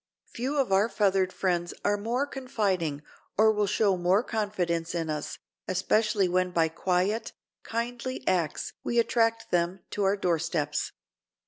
Few of our feathered friends are more confiding or will show more confidence in us, especially when by quiet, kindly acts we attract them to our doorsteps.